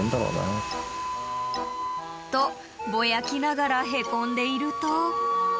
［とぼやきながらへこんでいると］